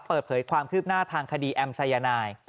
เปิดเผยความคืบหน้าทางคดีแอมสายนาย